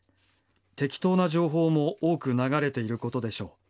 適当な情報も多く流れていることでしょう